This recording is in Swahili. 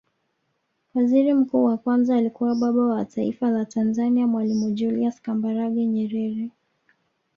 Waziri Mkuu wa Kwanza alikuwa Baba wa Taifa la Tanzania mwalimu Julius Kambarage Nyerere